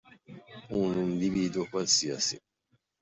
Un individuo qualsiasi.